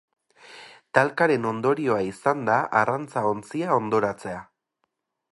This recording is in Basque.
Talkaren ondorioa izan da arrantza-ontzia hondoratzea.